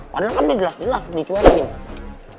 padahal kan dia jelas jelas dicuatin